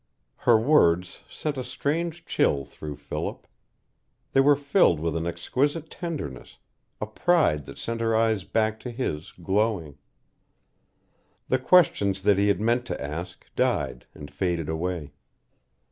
Her words sent a strange chill through Philip. They were filled with an exquisite tenderness, a pride that sent her eyes back to his, glowing. The questions that he had meant to ask died and faded away.